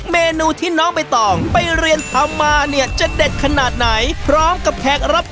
เหล็งโต้มยำนับคนค้าาาก